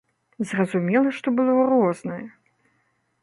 Зразумела, што было рознае.